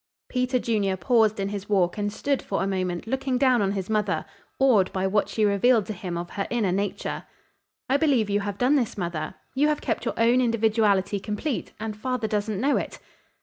Peter Junior paused in his walk and stood for a moment looking down on his mother, awed by what she revealed to him of her inner nature. "I believe you have done this, mother. You have kept your own individuality complete, and father doesn't know it."